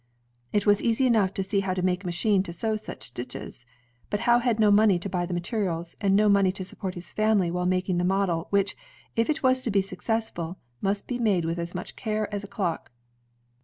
It was easy enough to see how to make a machine to sew such stitches. But Howe had no money to buy the materials, and no money to support his family while making the model, which, if it was to be successful, must be made with as much care as a clock.